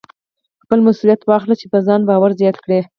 خپله مسوليت واخلئ چې په ځان باور زیات کړئ.